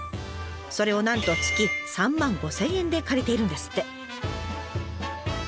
それをなんと月３万５，０００円で借りているんですって。